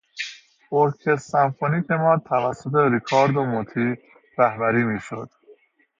ارکستر سمفونیک ما توسط ریکاردو موتی رهبری میشود.